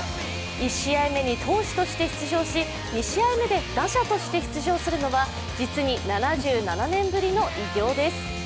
１試合目に投手として出場し、２試合目で打者として出場するのは実に７７年ぶりの偉業です。